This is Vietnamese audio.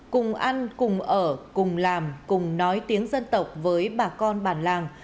cùng ăn cùng ở cùng làm cùng nói tiếng dân tộc với bà con bản làng